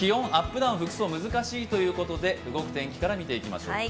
ダウン服装難しいということで天気いきましょうか。